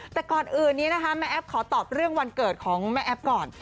แต่ก่อนอื่นนี้นะคะแม่แอฟขอตอบเรื่องวันเกิดของแม่แอฟก่อน